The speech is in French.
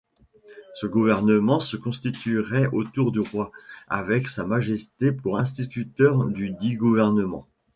Ce gouvernement se constituerait autour du Roi, avec sa Majesté pour instituteur dudit gouvernement.